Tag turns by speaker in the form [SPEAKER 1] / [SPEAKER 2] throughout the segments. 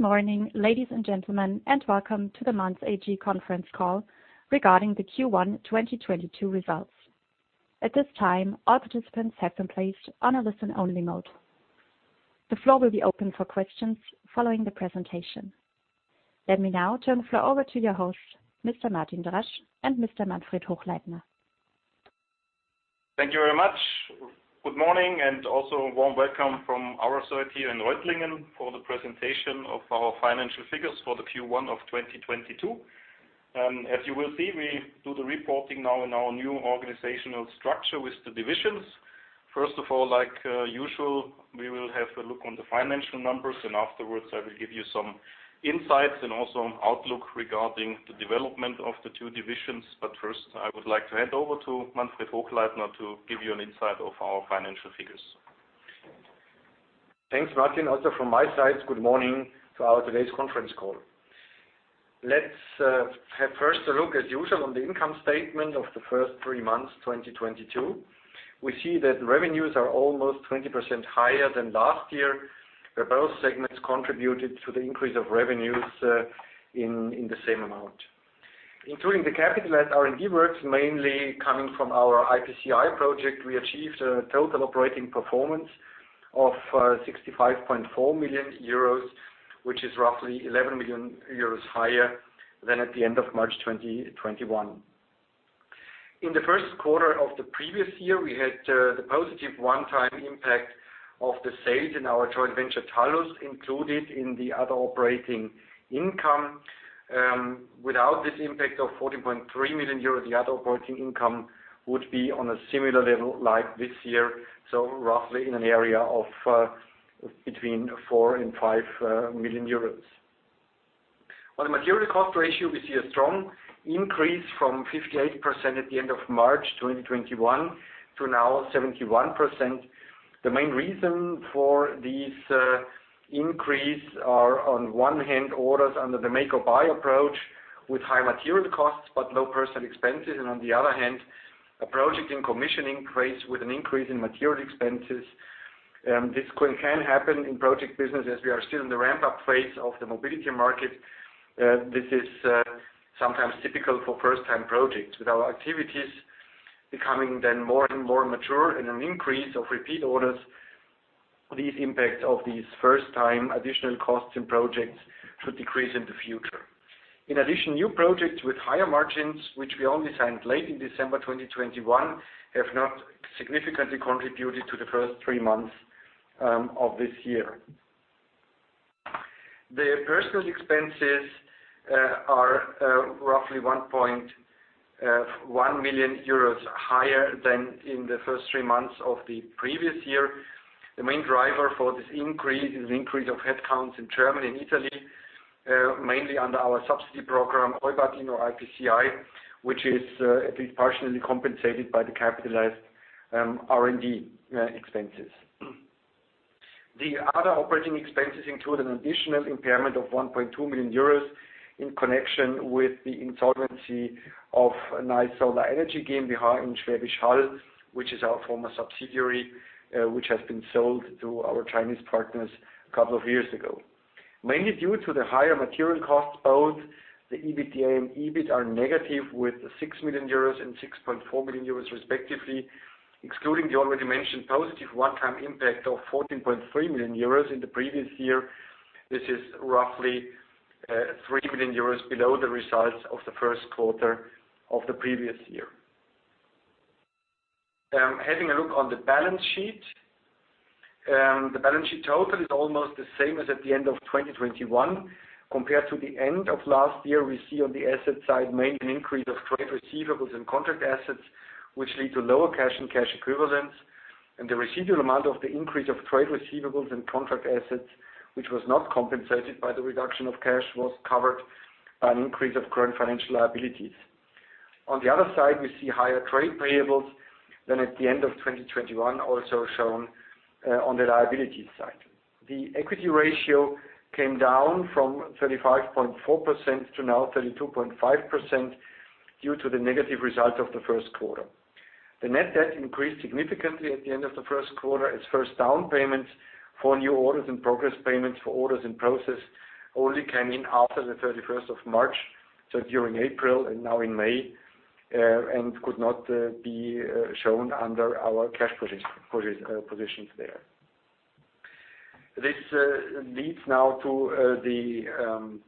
[SPEAKER 1] Good morning, ladies and gentlemen, and welcome to the Manz AG conference call regarding the Q1 2022 results. At this time, all participants have been placed on a listen-only mode. The floor will be open for questions following the presentation. Let me now turn the floor over to your host, Mr. Martin Drasch and Mr. Manfred Hochleitner.
[SPEAKER 2] Thank you very much. Good morning and also a warm welcome from our site here in Reutlingen for the presentation of our financial figures for the Q1 of 2022. As you will see, we do the reporting now in our new organizational structure with the divisions. First of all, like usual, we will have a look on the financial numbers, and afterwards, I will give you some insights and also an outlook regarding the development of the two divisions. But first, I would like to hand over to Manfred Hochleitner to give you an insight of our financial figures.
[SPEAKER 3] Thanks, Martin. Also from my side, good morning to our today's conference call. Let's have first a look, as usual, on the income statement of the first three months, 2022. We see that revenues are almost 20% higher than last year, where both segments contributed to the increase of revenues in the same amount. Including the capitalized R&D works mainly coming from our IPCEI project, we achieved a total operating performance of 65.4 million euros, which is roughly 11 million euros higher than at the end of March 2021. In the first quarter of the previous year, we had the positive one-time impact of the sales in our joint venture, Talus, included in the other operating income. Without this impact of 14.3 million euros, the other operating income would be on a similar level like this year, so roughly in an area of between four and 5 million euros. On the material cost ratio, we see a strong increase from 58% at the end of March 2021 to now 71%. The main reason for this increase are, on one hand, orders under the make-or-buy approach with high material costs, but low personal expenses, and on the other hand, a project in commissioning phase with an increase in material expenses. This can happen in project business as we are still in the ramp-up phase of the mobility market. This is sometimes typical for first-time projects. With our activities becoming then more and more mature and an increase of repeat orders, these impacts of these first-time additional costs and projects should decrease in the future. In addition, new projects with higher margins, which we only signed late in December 2021, have not significantly contributed to the first three months of this year. The personal expenses are roughly 1.1 million euros higher than in the first three months of the previous year. The main driver for this increase is increase of headcounts in Germany and Italy, mainly under our subsidy program, EuBatIn, now IPCEI, which is at least partially compensated by the capitalized R&D expenses. The other operating expenses include an additional impairment of 1.2 million euros in connection with the insolvency of NICE Solar Energy GmbH in Schwäbisch Hall, which is our former subsidiary, which has been sold to our Chinese partners a couple of years ago. Mainly due to the higher material costs, both the EBITDA and EBIT are negative with 6 million euros and 6.4 million euros respectively, excluding the already mentioned positive one-time impact of 14.3 million euros in the previous year. This is roughly 3 million euros below the results of the first quarter of the previous year. Having a look on the balance sheet. The balance sheet total is almost the same as at the end of 2021. Compared to the end of last year, we see on the asset side mainly an increase of trade receivables and contract assets, which lead to lower cash and cash equivalents, and the residual amount of the increase of trade receivables and contract assets, which was not compensated by the reduction of cash, was covered by an increase of current financial liabilities. On the other side, we see higher trade payables than at the end of 2021, also shown on the liabilities side. The equity ratio came down from 35.4% to now 32.5% due to the negative result of the first quarter. The net debt increased significantly at the end of the first quarter as first down payments for new orders and progress payments for orders in process only came in after the 31st of March, so during April and now in May, and could not be shown under our cash positions there. This leads now to the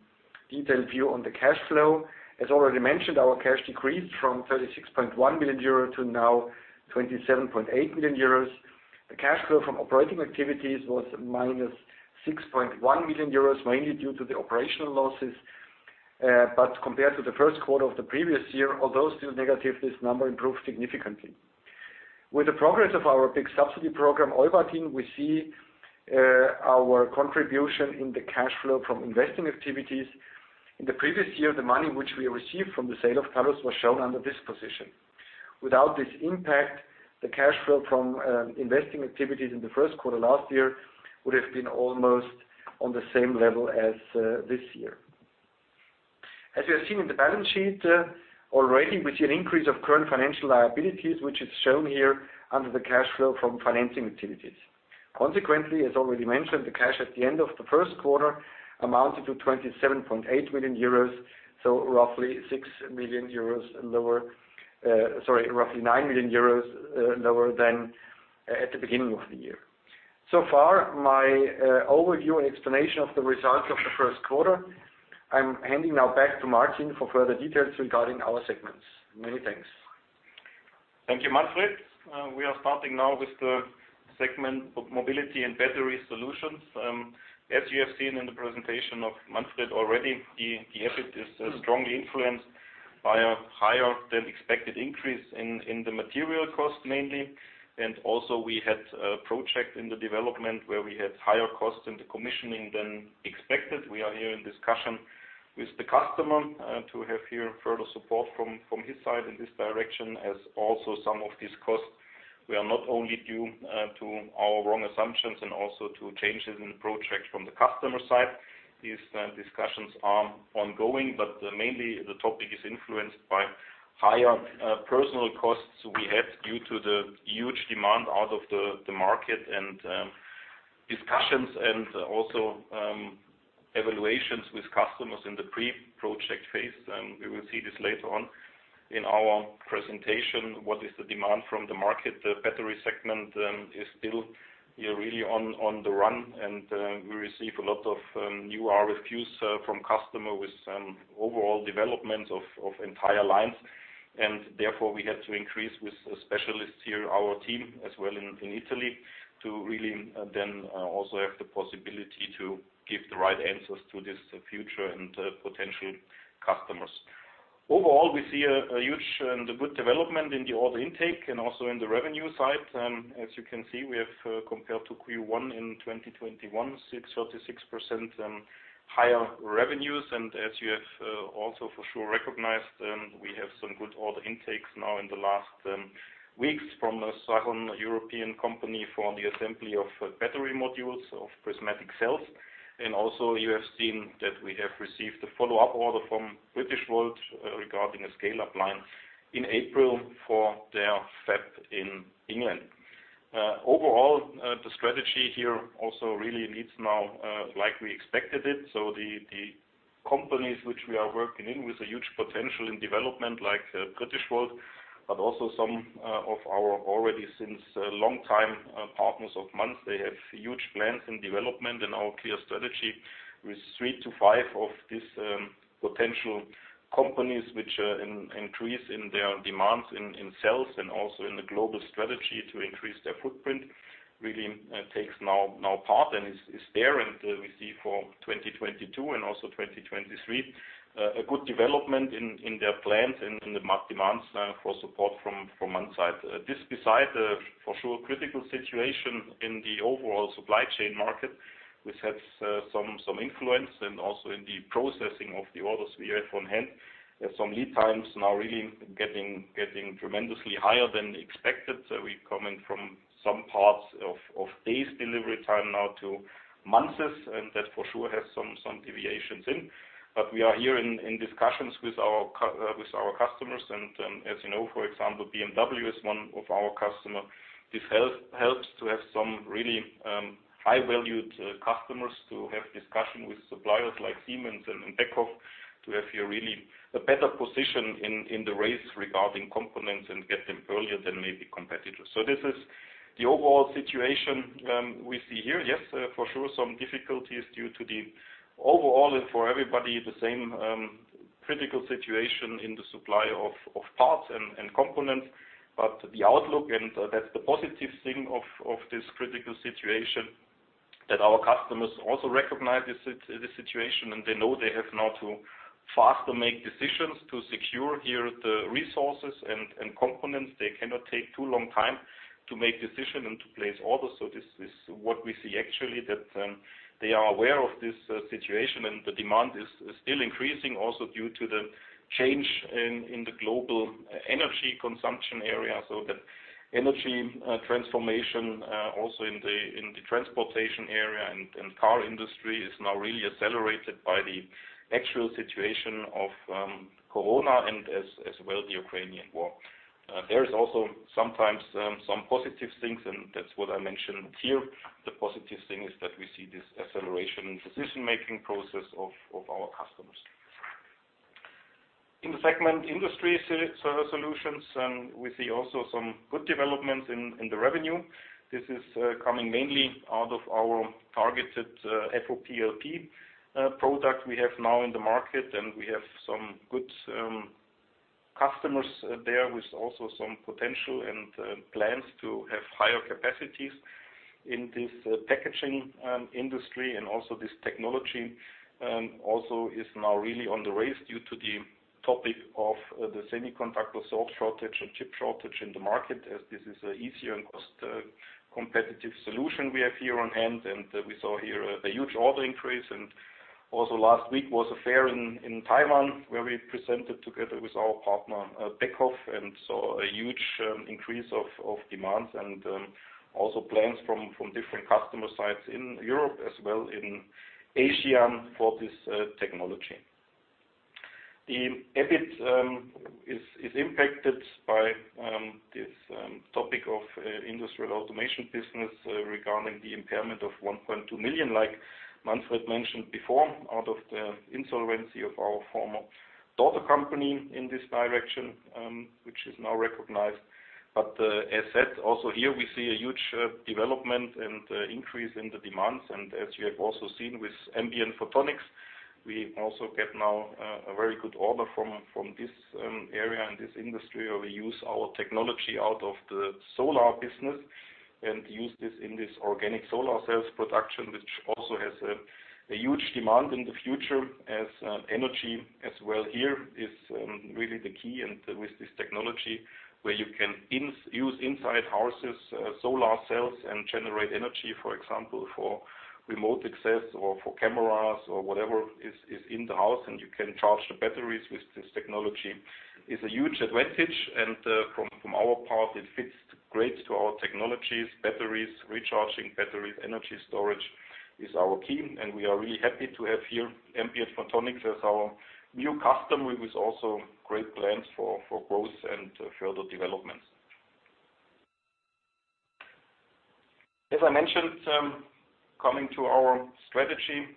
[SPEAKER 3] detailed view on the cash flow. As already mentioned, our cash decreased from 36.1 million euro to now 27.8 million euros. The cash flow from operating activities was minus 6.1 million euros, mainly due to the operational losses. Compared to the first quarter of the previous year, although still negative, this number improved significantly. With the progress of our big subsidy program, EuBatIn, we see our contribution in the cash flow from investing activities. In the previous year, the money which we received from the sale of Talus was shown under this position. Without this impact, the cash flow from investing activities in the first quarter last year would have been almost on the same level as this year. As we have seen in the balance sheet, already we see an increase of current financial liabilities, which is shown here under the cash flow from financing activities. Consequently, as already mentioned, the cash at the end of the first quarter amounted to 27.8 million euros, so roughly 6 million euros lower. Sorry, roughly 9 million euros lower than at the beginning of the year. So far, my overview and explanation of the results of the first quarter. I'm handing now back to Martin for further details regarding our segments. Many thanks.
[SPEAKER 2] Thank you, Manfred. We are starting now with the segment of mobility and battery solutions. As you have seen in the presentation of Manfred already, the EBIT is strongly influenced by a higher than expected increase in the material cost mainly. Also, we had a project in the development where we had higher costs in the commissioning than expected. We are here in discussion with the customer, to have here further support from his side in this direction as also some of these costs were not only due to our wrong assumptions and also to changes in the project from the customer side. These discussions are ongoing. Mainly, the topic is influenced by higher personal costs we had due to the huge demand out of the market and discussions and also evaluations with customers in the pre-project phase. We will see this later on in our presentation, what is the demand from the market. The battery segment is still really on the run and, we receive a lot of new RFQs from customer with overall development of entire lines. Therefore, we had to increase with specialists here, our team as well in Italy, to really then also have the possibility to give the right answers to this future and potential customers. Overall, we see a huge and a good development in the order intake and also in the revenue side. As you can see, we have compared to Q1 in 2021, 636% higher revenues. As you have also for sure recognized, we have some good order intakes now in the last weeks from a certain European company for the assembly of battery modules of prismatic cells. Also you have seen that we have received a follow-up order from Britishvolt regarding a scale-up line in April for their fab in England. Overall, the strategy here also really leads now, like we expected it. The companies which we are working in with a huge potential in development like Britishvolt, but also some of our already since a long time, partners of Manz, they have huge plans in development and our clear strategy with three to five of these potential companies, which are in increase in their demands in cells and also in the global strategy to increase their footprint, really takes now part and is there. We see for 2022 and also 2023, a good development in their plans and in the demands for support from Manz' side. This beside the, for sure, critical situation in the overall supply chain market, which has some influence and also in the processing of the orders we have on hand. Some lead times now really getting tremendously higher than expected. We coming from some parts of days delivery time now to months, that for sure has some deviations in. We are here in discussions with our customers and as you know, for example, BMW is one of our customer. This helps to have some really high valued customers to have discussion with suppliers like Siemens and Beckhoff to have here really a better position in the race regarding components and get them earlier than maybe competitors. This is the overall situation we see here. Yes, for sure, some difficulties due to the overall and for everybody the same critical situation in the supply of parts and components. The outlook, and that's the positive thing of this critical situation, that our customers also recognize this situation, and they know they have now to faster make decisions to secure here the resources and components. They cannot take too long time to make decision and to place orders. This is what we see actually that, they are aware of this situation and the demand is still increasing also due to the change in the global energy consumption area. The energy transformation, also in the transportation area and car industry is now really accelerated by the actual situation of COVID and as well, the Ukrainian War. There is also sometimes some positive things, and that's what I mentioned here. The positive thing is that we see this acceleration in decision-making process of our customers. In the segment industry solutions, we see also some good developments in the revenue. This is coming mainly out of our targeted FOPLP, product we have now in the market, we have some good customers there with also some potential and plans to have higher capacities in this packaging industry. Also this technology also is now really on the rise due to the topic of the semiconductor shortage and chip shortage in the market as this is easier and cost-competitive solution we have here on hand. We saw here a huge order increase and also last week was a fair in Taiwan where we presented together with our partner, Beckhoff and saw a huge increase of demands and also plans from different customer sites in Europe as well in Asia for this technology. The EBIT is impacted by this topic of industrial automation business regarding the impairment of 1.2 million, like Manfred mentioned before, out of the insolvency of our former daughter company in this direction, which is now recognized. As said, also here we see a huge development and increase in the demands. As you have also seen with Ambient Photonics, we also get now a very good order from this area and this industry, where we use our technology out of the solar business and use this in this organic solar cells production, which also has a huge demand in the future as energy as well here is really the key and with this technology, where you can use inside houses solar cells and generate energy, for example, for remote access or for cameras or whatever is in the house, and you can charge the batteries with this technology. It's a huge advantage, and from our part, it fits great to our technologies, batteries, recharging batteries, energy storage is our key, and we are really happy to have here Ambient Photonics as our new customer with also great plans for growth and further developments. As I mentioned, coming to our strategy,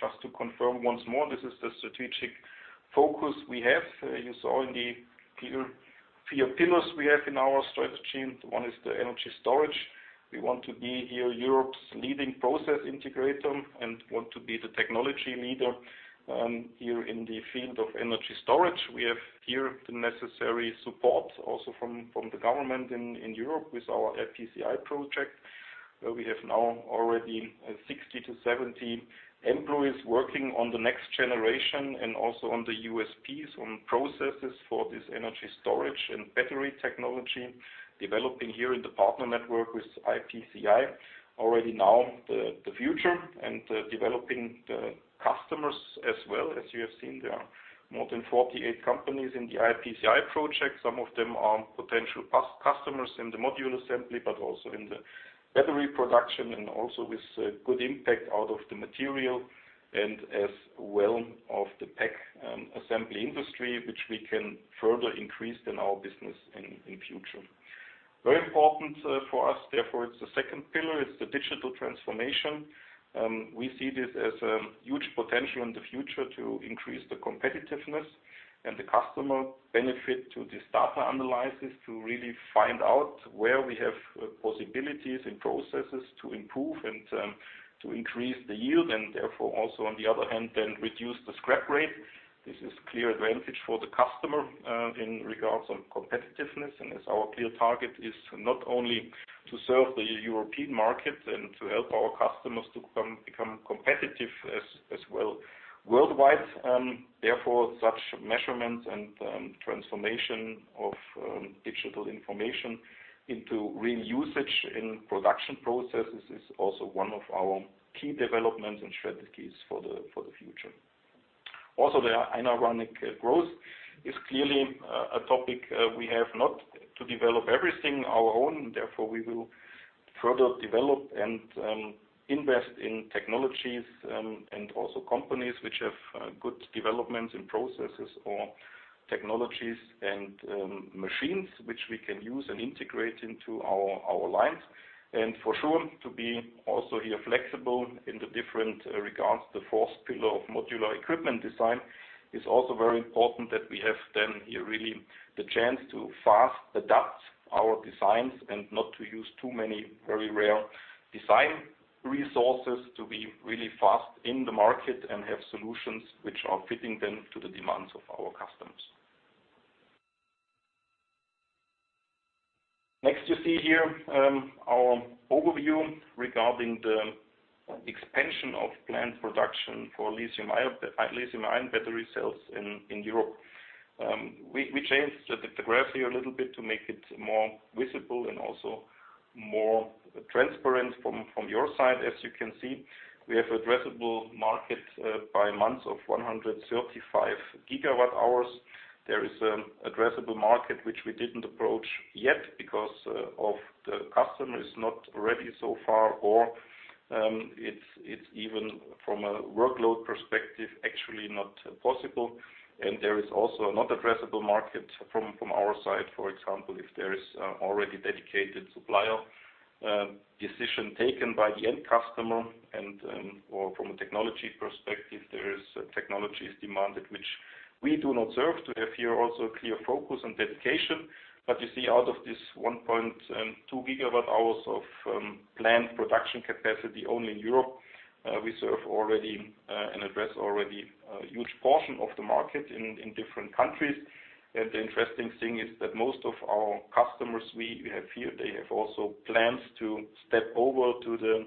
[SPEAKER 2] just to confirm once more, this is the strategic focus we have. You saw in the three pillars we have in our strategy. One is the energy storage. We want to be Europe's leading process integrator and want to be the technology leader here in the field of energy storage. We have here the necessary support also from the government in Europe with our IPCEI project, where we have now already 60 to 70 employees working on the next generation and also on the USPs on processes for this energy storage and battery technology developing here in the partner network with IPCEI already now the future and developing the customers as well. As you have seen, there are more than 48 companies in the IPCEI project. Some of them are potential customers in the module assembly, but also in the battery production and also with good impact out of the material and as well of the pack assembly industry, which we can further increase in our business in future. Very important for us, therefore, it's the second pillar, it's the digital transformation. We see this as a huge potential in the future to increase the competitiveness and the customer benefit to this data analysis to really find out where we have possibilities and processes to improve and to increase the yield, and therefore also on the other hand, then reduce the scrap rate. This is clear advantage for the customer in regards of competitiveness, and as our clear target is not only to serve the European market and to help our customers to become competitive as well worldwide. Therefore, such measurements and transformation of digital information into real usage in production processes is also one of our key developments and strategies for the future. Also, the inorganic growth is clearly a topic we have not to develop everything our own. Therefore, we will further develop and invest in technologies and also companies which have good developments and processes or technologies and machines which we can use and integrate into our lines. For sure, to be also here flexible in the different regards, the fourth pillar of modular equipment design is also very important that we have then here really the chance to fast adapt our designs and not to use too many very rare design resources to be really fast in the market and have solutions which are fitting then to the demands of our customers. You see here our overview regarding the expansion of plant production for lithium-ion battery cells in Europe. We changed the graph here a little bit to make it more visible and also more transparent from your side. As you can see, we have addressable market by Manz AG of 135 GW hours. There is an addressable market which we didn't approach yet because the customer is not ready so far, or it's even from a workload perspective, actually not possible. There is also a not addressable market from our side. For example, if there is already dedicated supplier decision taken by the end customer and/or from a technology perspective, there is technologies demanded which we do not serve to have here also a clear focus on dedication. You see out of this 1.2 GW hours of planned production capacity only in Europe, we serve already and address already a huge portion of the market in different countries. The interesting thing is that most of our customers we have here, they have also plans to step over to the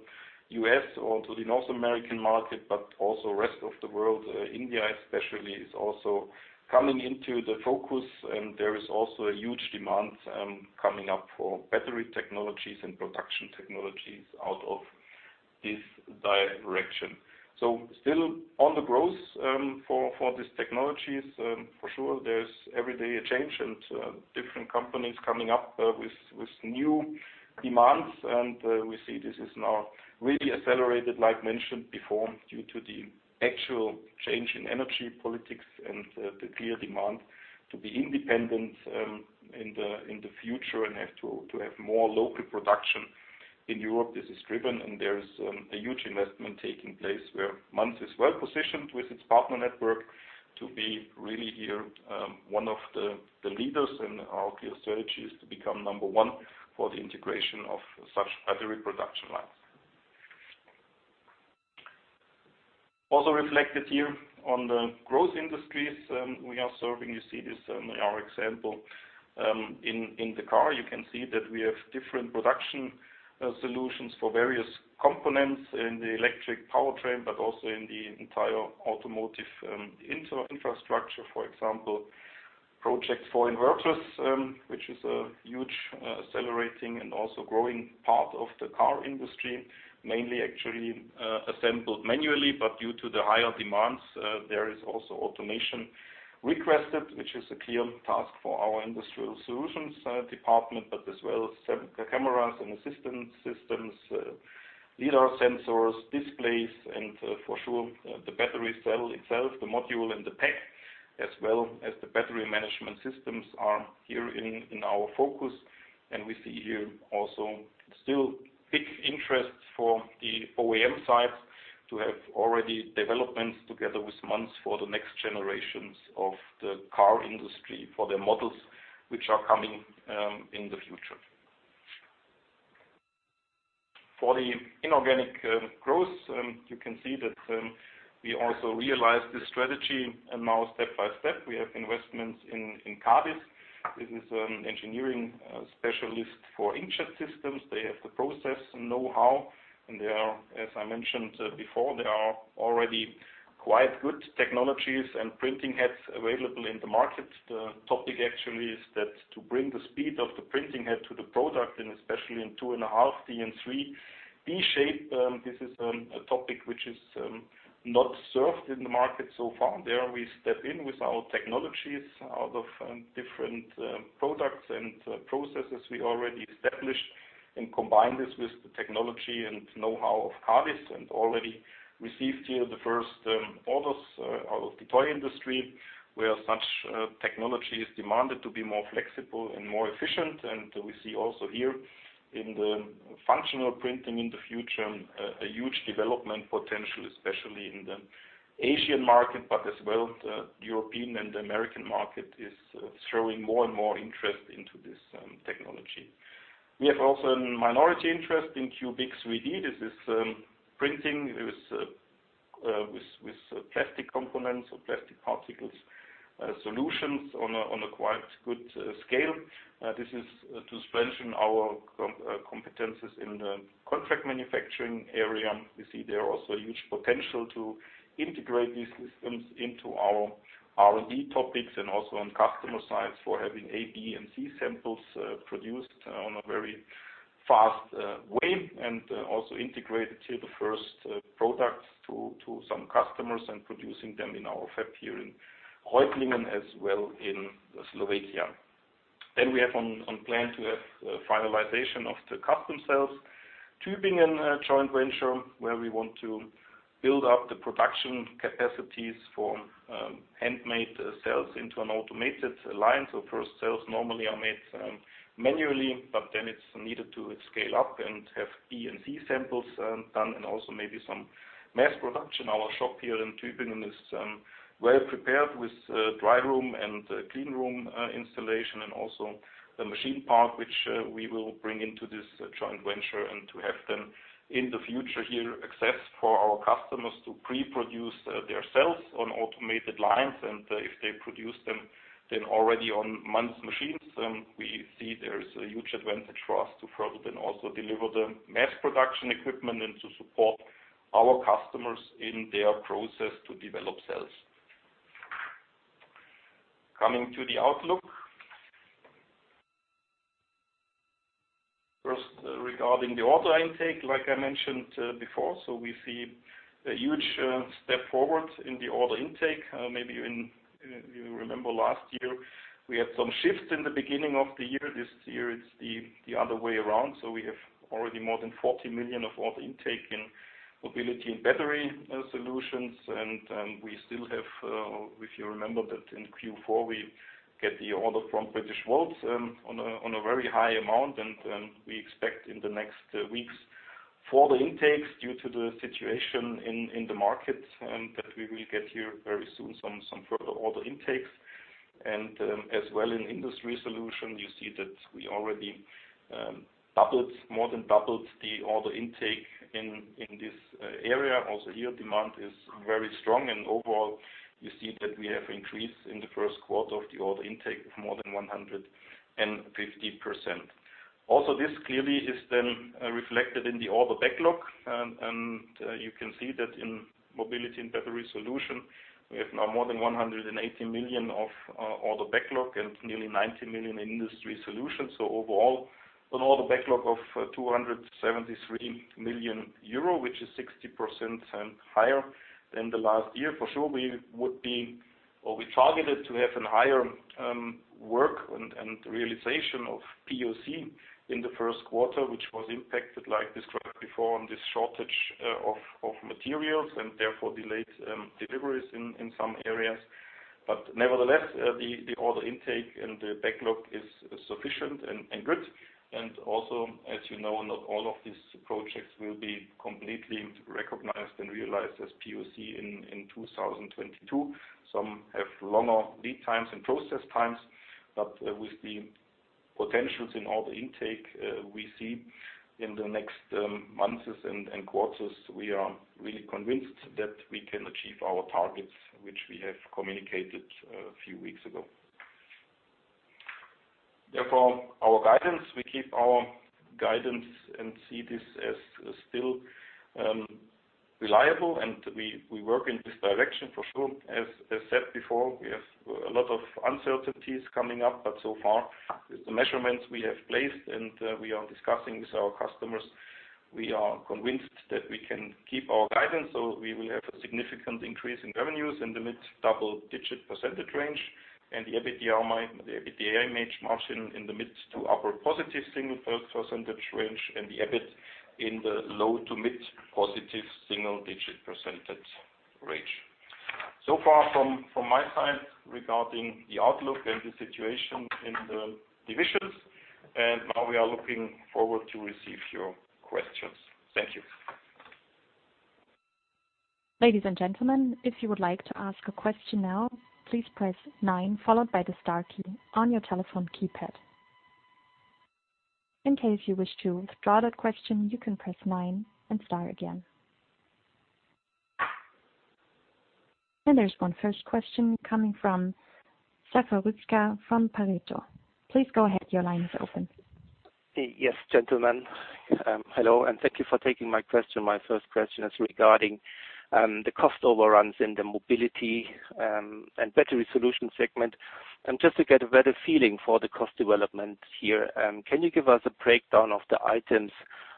[SPEAKER 2] U.S. or to the North American market, but also rest of the world. India especially is also coming into the focus, and there is also a huge demand coming up for battery technologies and production technologies out of this direction. Still on the growth for these technologies. For sure, there's every day a change and different companies coming up with new demands. We see this is now really accelerated, like mentioned before, due to the actual change in energy politics and the clear demand to be independent in the future and to have more local production in Europe. This is driven, and there's a huge investment taking place where Manz is well-positioned with its partner network to be really here one of the leaders. Our clear strategy is to become number one for the integration of such battery production lines. Also reflected here on the growth industries we are serving. You see this in our example in the car. You can see that we have different production solutions for various components in the electric powertrain, but also in the entire automotive infrastructure. For example, projects for inverters, which is a huge accelerating and also growing part of the car industry, mainly actually assembled manually. Due to the higher demands, there is also automation requested, which is a clear task for our industrial solutions department, but as well cameras and systems, lidar sensors, displays and for sure, the battery cell itself, the module and the pack, as well as the battery management systems are here in our focus. We see here also still big interest for the OEM side to have already developments together with Manz for the next generations of the car industry, for their models which are coming in the future. For the inorganic growth, you can see that we also realized this strategy and now step by step, we have investments in CADIS. This is an engineering specialist for inkjet systems. They have the process knowhow, and as I mentioned before, there are already quite good technologies and printing heads available in the market. The topic actually is that to bring the speed of the printing head to the product, and especially in two and a half D and three D shape, this is a topic which is not served in the market so far. There we step in with our technologies out of different products and processes we already established, and combine this with the technology and knowhow of CADIS, and already received here the first orders out of the toy industry, where such technology is demanded to be more flexible and more efficient. We see also here in the functional printing in the future, a huge development potential, especially in the Asian market, but as well the European and the American market is showing more and more interest into this technology. We have also a minority interest in Q.big 3D. This is printing with plastic components or plastic particles solutions on a quite good scale. This is to strengthen our competencies in the contract manufacturing area. We see there also a huge potential to integrate these systems into our R&D topics and also on customer sides for having A, B and C samples produced on a very fast way. Integrated here the first products to some customers and producing them in our fab here in Reutlingen as well in Slovakia. We have on plan to have finalization of the Customcells, Tübingen joint venture, where we want to build up the production capacities for handmade cells into an automated line. First cells normally are made manually, but then it's needed to scale up and have B and C samples done and also maybe some mass production. Our shop here in Tübingen is well prepared with dry room and clean room installation and also the machine park, which we will bring into this joint venture and to have them in the future here access for our customers to pre-produce their cells on automated lines. If they produce them, then already on Manz machines, we see there is a huge advantage for us to further then also deliver the mass production equipment and to support our customers in their process to develop cells. Coming to the outlook. First, regarding the order intake, like I mentioned before, we see a huge step forward in the order intake. Maybe you remember last year we had some shifts in the beginning of the year. This year it's the other way around. We have already more than 40 million of order intake in mobility and battery solutions. We still have, if you remember that in Q4, we get the order from Britishvolt on a very high amount. We expect in the next weeks further intakes due to the situation in the market, and that we will get here very soon some further order intakes. As well in Industry Solution, you see that we already more than doubled the order intake in this area. Also here demand is very strong and overall you see that we have increased in the first quarter of the order intake of more than 150%. Also this clearly is then reflected in the order backlog. You can see that in Mobility and Battery Solution, we have now more than 180 million of order backlog and nearly 90 million in Industry Solutions. Overall, an order backlog of 273 million euro, which is 60% higher than the last year. For sure, we targeted to have a higher work and realization of POC in the first quarter, which was impacted, like described before, on this shortage of materials and therefore delayed deliveries in some areas. Nevertheless, the order intake and the backlog is sufficient and good. Also, as you know, not all of these projects will be completely recognized and realized as POC in 2022. Some have longer lead times and process times. With the potentials in order intake we see in the next months and quarters, we are really convinced that we can achieve our targets, which we have communicated a few weeks ago. Our guidance. We keep our guidance and see this as still reliable, and we work in this direction for sure. As said before, we have a lot of uncertainties coming up, but so far with the measurements we have placed and we are discussing with our customers, we are convinced that we can keep our guidance. We will have a significant increase in revenues in the mid double-digit % range and the EBITDA margin in the mid to upper positive single % range and the EBIT in the low to mid positive single-digit % range. Far from my side regarding the outlook and the situation in the divisions. Now we are looking forward to receive your questions. Thank you.
[SPEAKER 1] Ladies and gentlemen, if you would like to ask a question now, please press nine followed by the star key on your telephone keypad. In case you wish to withdraw that question, you can press nine and star again. There's one first question coming from Zafer Rüzgar from Pareto. Please go ahead. Your line is open.
[SPEAKER 4] Yes, gentlemen. Hello, thank you for taking my question. My first question is regarding the cost overruns in the mobility and battery solution segment. Just to get a better feeling for the cost development here, can you give us a breakdown of the items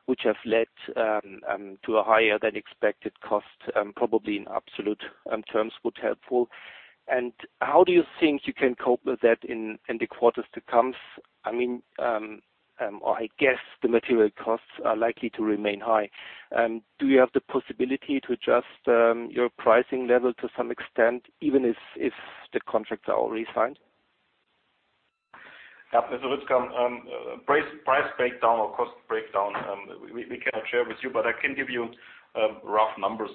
[SPEAKER 4] which have led to a higher than expected cost? Probably in absolute terms would helpful. How do you think you can cope with that in the quarters to come? I guess the material costs are likely to remain high. Do you have the possibility to adjust your pricing level to some extent, even if the contracts are already signed?
[SPEAKER 2] Mr. Rüzgar, price breakdown or cost breakdown, we cannot share with you, but I can give you rough numbers.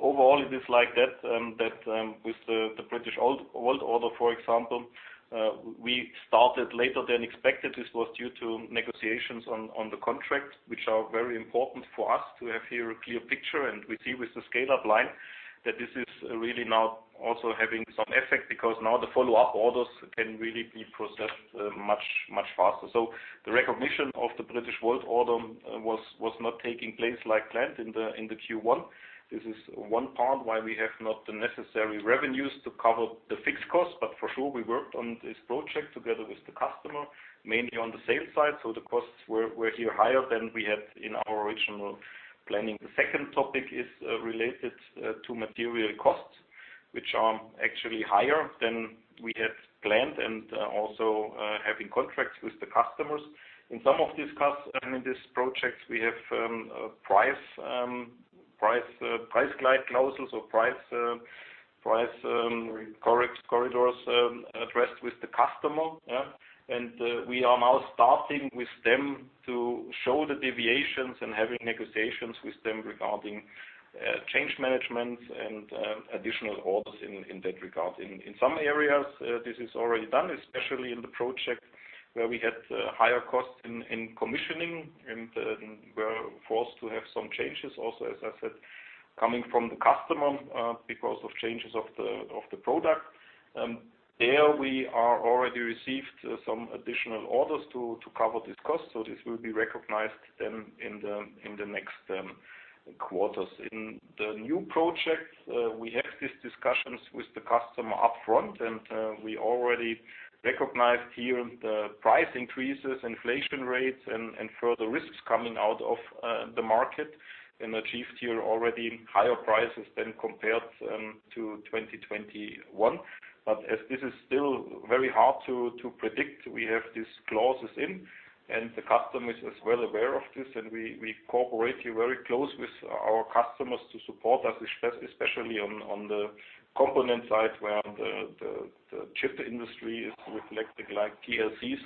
[SPEAKER 2] Overall, it is like that with the Britishvolt order, for example, we started later than expected. This was due to negotiations on the contract, which are very important for us to have here a clear picture. We see with the scale-up line that this is really now also having some effect because now the follow-up orders can really be processed much faster. The recognition of the Britishvolt order was not taking place like planned in the Q1. This is one part why we have not the necessary revenues to cover the fixed costs. For sure, we worked on this project together with the customer, mainly on the sales side. The costs were here higher than we had in our original planning. The second topic is related to material costs, which are actually higher than we had planned and also having contracts with the customers. In some of these projects, we have a price glide clauses or price corridors addressed with the customer. We are now starting with them to show the deviations and having negotiations with them regarding change management and additional orders in that regard. In some areas, this is already done, especially in the project where we had higher costs in commissioning and were forced to have some changes also, as I said, coming from the customer because of changes of the product. There we are already received some additional orders to cover this cost. This will be recognized then in the next quarters. In the new project, we have these discussions with the customer upfront and we already recognized here the price increases, inflation rates and further risks coming out of the market and achieved here already higher prices than compared to 2021. As this is still very hard to predict, we have these clauses in and the customer is well aware of this and we cooperate here very close with our customers to support us, especially on the component side where the chip industry is reflecting like PLCs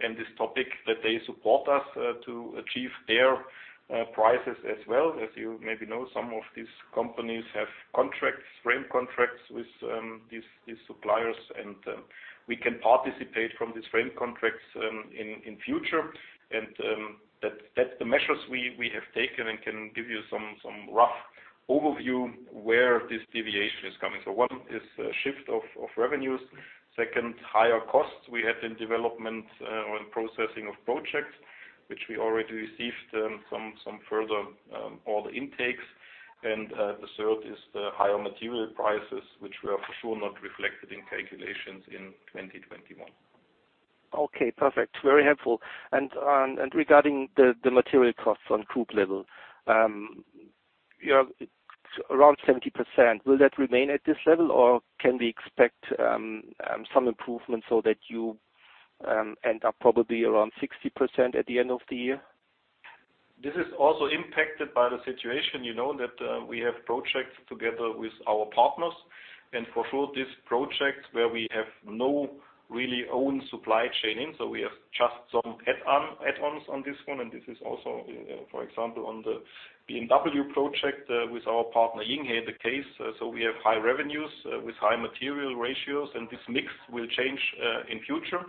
[SPEAKER 2] and this topic that they support us to achieve their prices as well. As you maybe know, some of these companies have frame contracts with these suppliers and we can participate from these frame contracts in future. That's the measures we have taken and can give you some rough overview where this deviation is coming. One is shift of revenues. Second, higher costs we had in development on processing of projects, which we already received some further order intakes. The third is the higher material prices, which were for sure not reflected in calculations in 2021.
[SPEAKER 4] Okay, perfect. Very helpful. Regarding the material costs on group level. You have around 70%. Will that remain at this level, or can we expect some improvement so that you end up probably around 60% at the end of the year?
[SPEAKER 2] This is also impacted by the situation, that we have projects together with our partners, and for sure these projects where we have no really own supply chain in. We have just some add-ons on this one, and this is also, for example, on the BMW project with our partner Yinghe, the case. We have high revenues with high material ratios, and this mix will change in future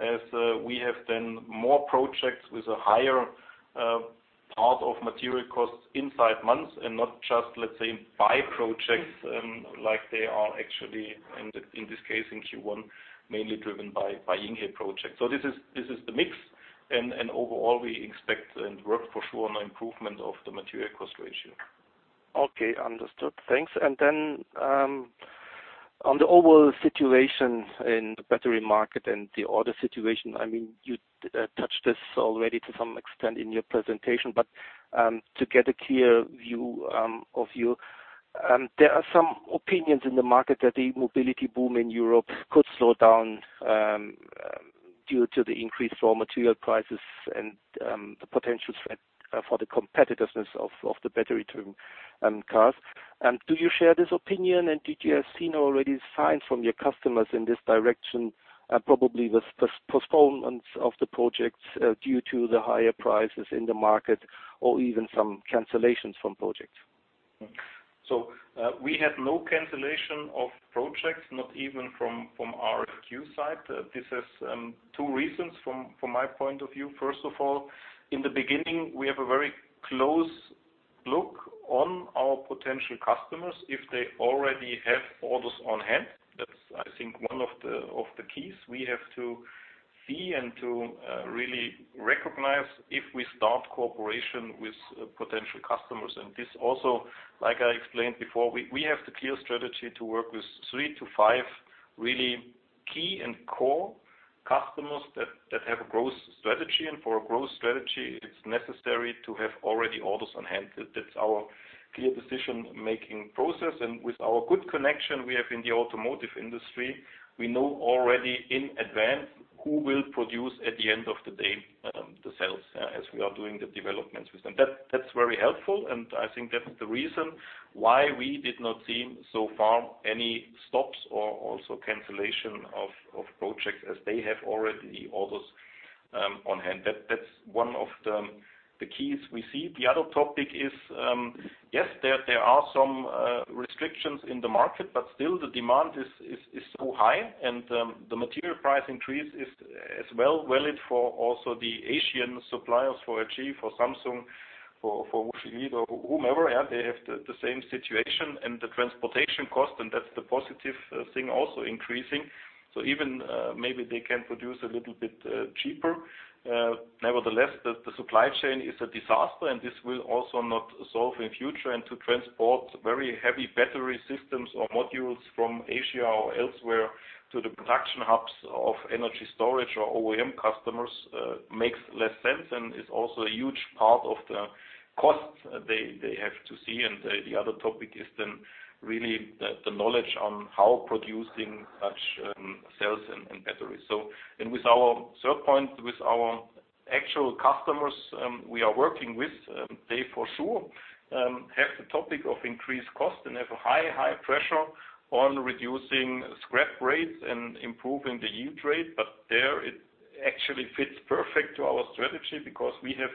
[SPEAKER 2] as we have then more projects with a higher part of material costs inside Manz and not just, let's say, by projects, like they are actually in this case in Q1, mainly driven by Yinghe project. This is the mix and overall, we expect and work for sure on improvement of the material cost ratio.
[SPEAKER 4] Okay, understood. Thanks. On the overall situation in the battery market and the order situation, you touched this already to some extent in your presentation, but to get a clear view of you. There are some opinions in the market that the mobility boom in Europe could slow down due to the increased raw material prices and the potential threat for the competitiveness of the battery cars. Do you share this opinion and did you have seen already signs from your customers in this direction? Probably with postponements of the projects due to the higher prices in the market or even some cancellations from projects.
[SPEAKER 2] We have no cancellation of projects, not even from RFQ side. This has two reasons from my point of view. First of all, in the beginning, we have a very close look on our potential customers if they already have orders on hand. That's, I think, one of the keys we have to see and to really recognize if we start cooperation with potential customers. This also, like I explained before, we have the clear strategy to work with three to five really key and core customers that have a growth strategy. For a growth strategy, it's necessary to have already orders on hand. That's our clear decision-making process. With our good connection we have in the automotive industry, we know already in advance who will produce at the end of the day the sales, as we are doing the developments with them. That's very helpful, and I think that's the reason why we did not see so far any stops or also cancellation of projects as they have already orders on hand. That's one of the keys we see. The other topic is, yes, there are some restrictions in the market. Still the demand is so high and the material price increase is as well valid for also the Asian suppliers, for LG, for Samsung, for Wuxi or whomever. They have the same situation and the transportation cost. That's the positive thing, also increasing. Even maybe they can produce a little bit cheaper. Nevertheless, the supply chain is a disaster. This will also not solve in future. To transport very heavy battery systems or modules from Asia or elsewhere to the production hubs of energy storage or OEM customers, makes less sense and is also a huge part of the cost they have to see. The other topic is then really the knowledge on how producing such cells and batteries. With our third point, with our actual customers we are working with, they for sure, have the topic of increased cost and have a high pressure on reducing scrap rates and improving the yield rate. There it actually fits perfect to our strategy because we have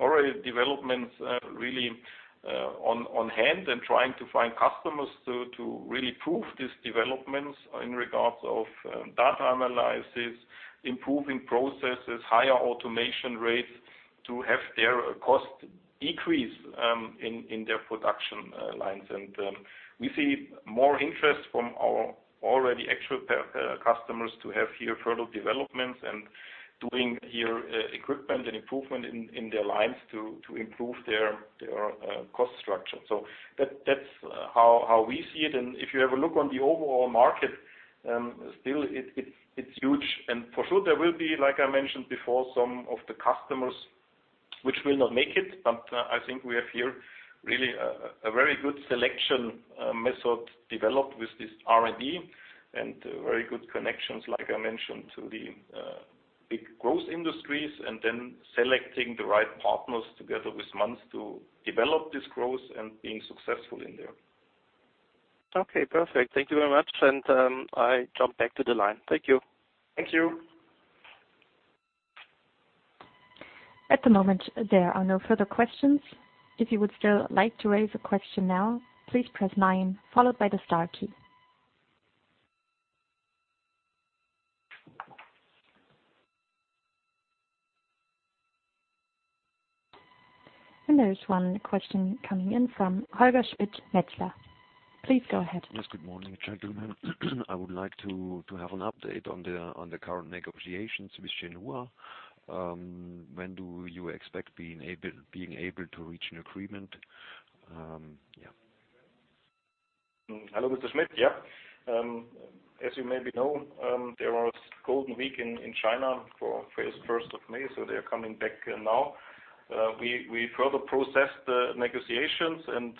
[SPEAKER 2] already developments really on hand and trying to find customers to really prove these developments in regards of data analysis, improving processes, higher automation rates to have their cost decrease in their production lines. We see more interest from our already actual customers to have here further developments and doing here equipment and improvement in their lines to improve their cost structure. That's how we see it, and if you have a look on the overall market, still it's huge. For sure there will be, like I mentioned before, some of the customers which will not make it. I think we have here really a very good selection method developed with this R&D and very good connections, like I mentioned, to the big growth industries, and then selecting the right partners together with Manz to develop this growth and being successful in there.
[SPEAKER 4] Okay, perfect. Thank you very much. I jump back to the line. Thank you.
[SPEAKER 2] Thank you.
[SPEAKER 1] At the moment, there are no further questions. If you would still like to raise a question now. There is one question coming in from Holger Schmidt, Metzler. Please go ahead.
[SPEAKER 5] Yes. Good morning, gentlemen. I would like to have an update on the current negotiations with Shenhua. When do you expect being able to reach an agreement? Yeah.
[SPEAKER 2] Hello, Mr. Schmidt. Yeah. As you maybe know, there was Golden Week in China for first of May, they're coming back now. We further processed the negotiations and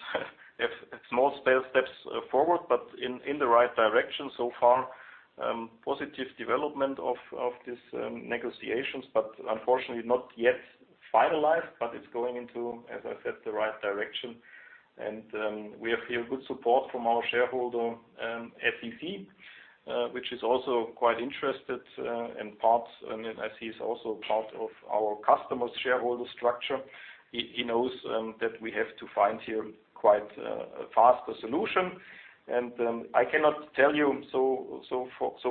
[SPEAKER 2] have small steps forward, but in the right direction so far. Positive development of these negotiations, unfortunately not yet finalized. It's going into, as I said, the right direction. We have here good support from our shareholder, SEC, which is also quite interested in parts. As he's also part of our customers' shareholder structure, he knows that we have to find here quite a faster solution. I cannot tell you so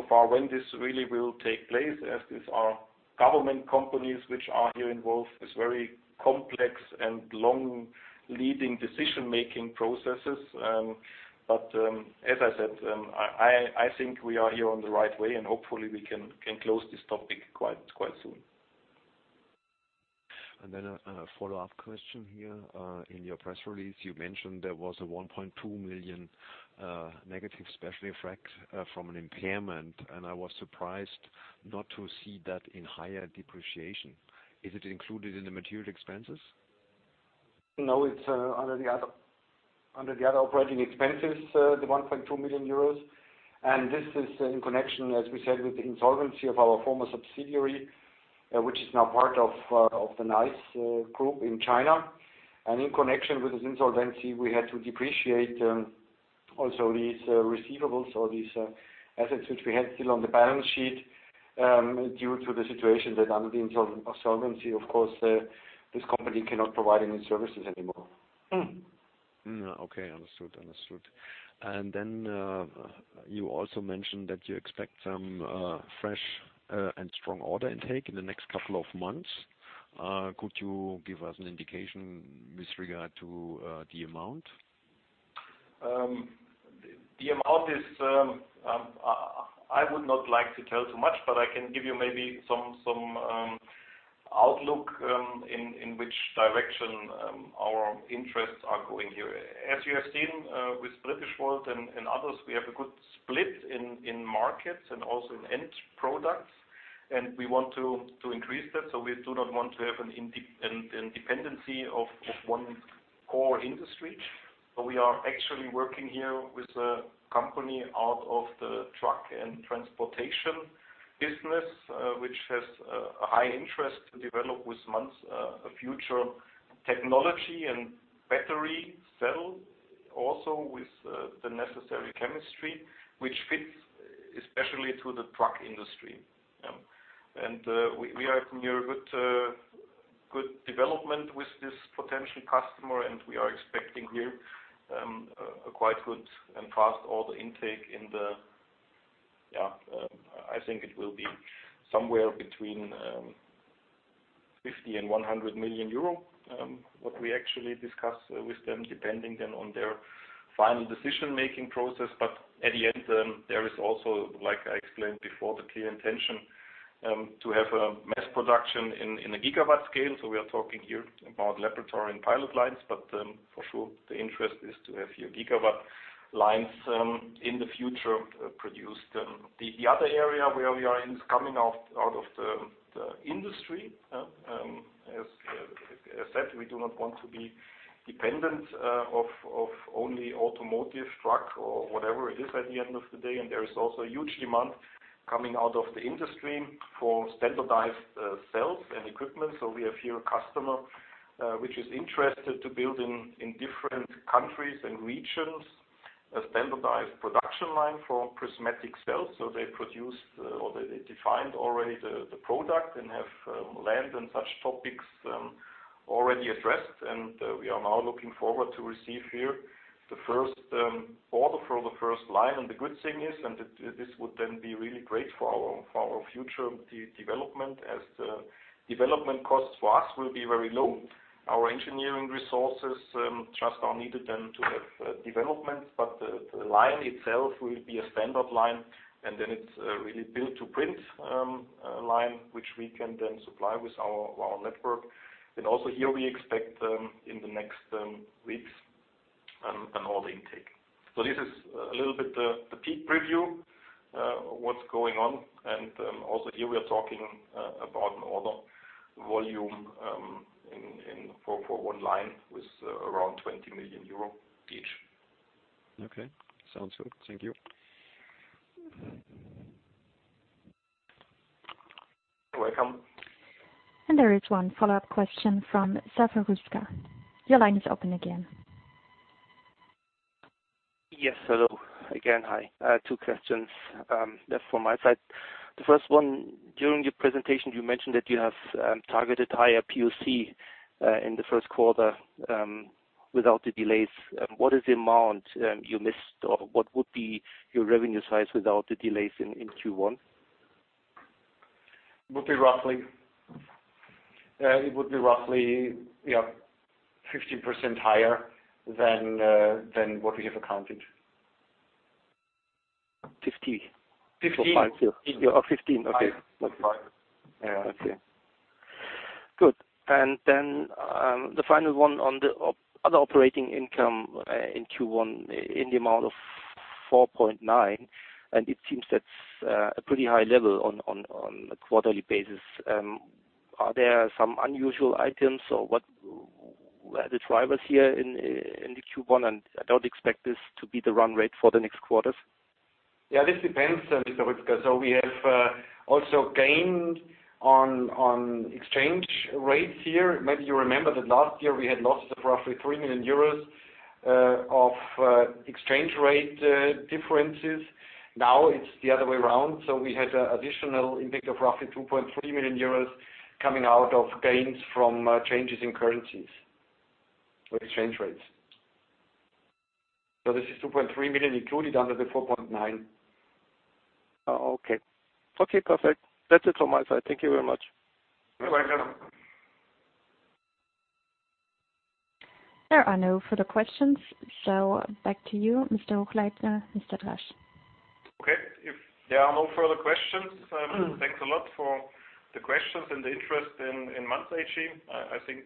[SPEAKER 2] far when this really will take place, as these are government companies which are here involved. It's very complex and long leading decision-making processes. As I said, I think we are here on the right way and hopefully we can close this topic quite soon.
[SPEAKER 5] A follow-up question here. In your press release, you mentioned there was a 1.2 million negative special effect from an impairment, and I was surprised not to see that in higher depreciation. Is it included in the material expenses?
[SPEAKER 3] No, it's under the other operating expenses, the 1.2 million euros. This is in connection, as we said, with the insolvency of our former subsidiary, which is now part of the NICE Group in China. In connection with this insolvency, we had to depreciate also these receivables or these assets which we had still on the balance sheet, due to the situation that under the insolvency, of course, this company cannot provide any services anymore.
[SPEAKER 5] Okay. Understood. You also mentioned that you expect some fresh and strong order intake in the next couple of months. Could you give us an indication with regard to the amount?
[SPEAKER 2] The amount I would not like to tell too much, I can give you maybe some outlook, in which direction our interests are going here. As you have seen with Britishvolt and others, we have a good split in markets and also in end products, we want to increase that, we do not want to have a dependency of one core industry. We are actually working here with a company out of the truck and transportation business, which has a high interest to develop with Manz a future technology and battery cell, also with the necessary chemistry, which fits especially to the truck industry. We are from here, good development with this potential customer, and we are expecting here a quite good and fast order intake. I think it will be somewhere between 50 million-100 million euro, what we actually discuss with them, depending then on their final decision-making process. At the end, there is also, like I explained before, the clear intention to have a mass production in a gigawatt scale. We are talking here about laboratory and pilot lines. For sure, the interest is to have here gigawatt lines in the future produced. The other area where we are in is coming out of the industry. As said, we do not want to be dependent, of only automotive truck or whatever it is at the end of the day. There is also a huge demand coming out of the industry for standardized cells and equipment. We have here a customer, which is interested to build in different countries and regions, a standardized production line for prismatic cells. They produce or they defined already the product and have land and such topics already addressed. We are now looking forward to receive here the first order for the first line. The good thing is, and this would then be really great for our future development, as the development costs for us will be very low. Our engineering resources just are needed then to have developments, but the line itself will be a standard line, and then it's really build to print line, which we can then supply with our network. Also here we expect in the next weeks an order intake. This is a little bit the peak preview of what's going on. Also here we are talking about an order volume for one line with around 20 million euro each.
[SPEAKER 5] Okay. Sounds good. Thank you.
[SPEAKER 2] You're welcome.
[SPEAKER 1] There is one follow-up question from Zafer Rüzgar. Your line is open again.
[SPEAKER 4] Yes. Hello again. Hi. Two questions from my side. The first one, during your presentation, you mentioned that you have targeted higher POC in the first quarter without the delays, what is the amount you missed or what would be your revenue size without the delays in Q1?
[SPEAKER 3] It would be roughly 15% higher than what we have accounted.
[SPEAKER 4] 50%?
[SPEAKER 3] 15%.
[SPEAKER 4] Oh, 15%. Okay.
[SPEAKER 3] One five.
[SPEAKER 4] Okay, good. The final one on the other operating income in Q1 in the amount of 4.9. It seems that's a pretty high level on a quarterly basis. Are there some unusual items or what are the drivers here in the Q1? I don't expect this to be the run rate for the next quarters?
[SPEAKER 3] Yeah, this depends, Mr. Rüzgar. We have also gained on exchange rates here. Maybe you remember that last year we had losses of roughly 3 million euros of exchange rate differences. Now it's the other way around. We had additional impact of roughly 2.3 million euros coming out of gains from changes in currencies or exchange rates. This is 2.3 million included under the 4.9.
[SPEAKER 4] Okay. Perfect. That's it from my side. Thank you very much.
[SPEAKER 3] You're welcome.
[SPEAKER 1] There are no further questions, so back to you, Mr. Hochleitner, Mr. Drasch.
[SPEAKER 2] Okay. If there are no further questions, thanks a lot for the questions and the interest in Manz AG. I think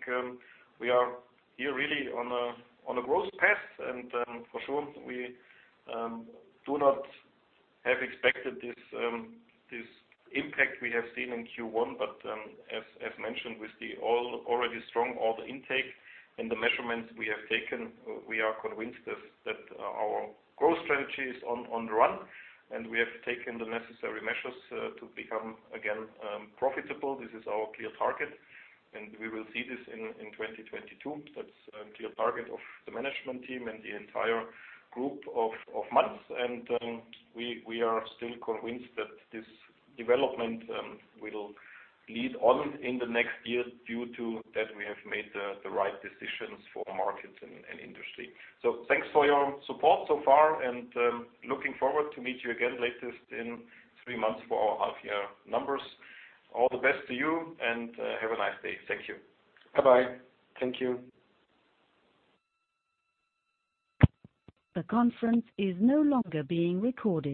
[SPEAKER 2] we are here really on a growth path, and for sure we do not have expected this impact we have seen in Q1, but, as mentioned, with the already strong order intake and the measurements we have taken, we are convinced that our growth strategy is on the run, and we have taken the necessary measures to become again profitable. This is our clear target, and we will see this in 2022. That's a clear target of the management team and the entire group of Manz. We are still convinced that this development will lead on in the next years due to that we have made the right decisions for markets and industry. Thanks for your support so far and looking forward to meet you again, latest in three months for our half year numbers. All the best to you and have a nice day. Thank you.
[SPEAKER 3] Bye-bye. Thank you.
[SPEAKER 1] The conference is no longer being recorded